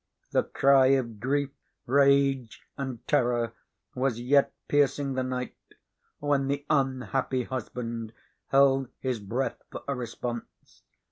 The cry of grief, rage, and terror was yet piercing the night, when the unhappy husband held his breath for a response.